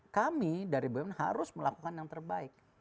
kami dari bumn harus melakukan yang terbaik